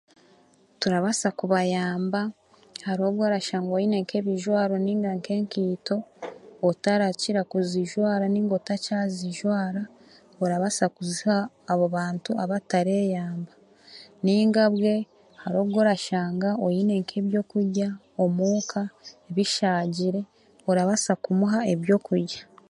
Turabaasa kubayamba, hariho obworashanga oine nk'ebijwaro nainga nk'enkaito otarakira kuzijwara nainga otakyazijwara orabasa kuziha abo bantu abatareyamba. Nainga bwe hariho obw'orashanga oine nk'ebyokurya omuuka bishaagire, orabasa kumuha ebyokurya.